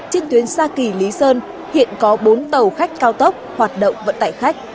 trên tuyến xa kỳ lý sơn hiện có bốn tàu khách cao tốc